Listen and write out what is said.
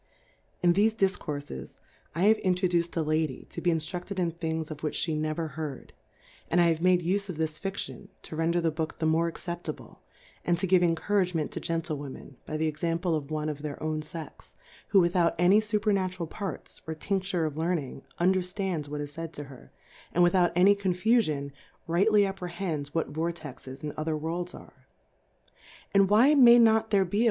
In thefe Difcourfes^ I have introduced a Lady^ to he infirutiedin Things of which ff)e never he^rdy and I have made ufe of this HHion^ to render the Book the more accepalle^ and to give Encouragement to Gentlewomen^ hy the ExamJ^le of one of their own Sex^ who without any Su^ ^er natural PartSy or Tin^iure of Learn ings undtrfUnds what is faid to her ,• and without any Co?ifufto?i^ rightly affre hends what Vortexes and other Worlds are : And why may not there he a Wo?